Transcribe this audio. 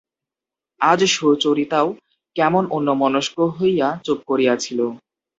আজ সুচরিতাও কেমন অন্যমনস্ক হইয়া চুপ করিয়া ছিল।